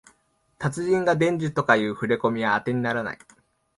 達人が伝授とかいうふれこみはあてにならない